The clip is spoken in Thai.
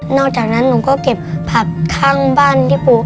อกจากนั้นหนูก็เก็บผักข้างบ้านที่ปลูก